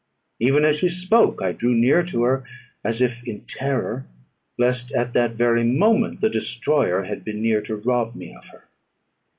Even as she spoke I drew near to her, as if in terror; lest at that very moment the destroyer had been near to rob me of her.